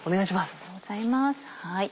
ありがとうございます。